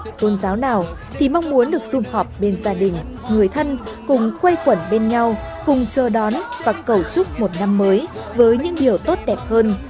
nước nào tôn giáo nào thì mong muốn được xung họp bên gia đình người thân cung quay quẩn bên nhau cùng chờ đón và cẩu trúc một năm mới với những điều tốt đẹp hơn